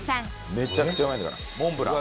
めちゃくちゃうまいんだからモンブラン。